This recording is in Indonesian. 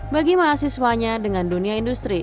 dan juga dengan kelebihan industri